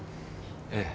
ええ。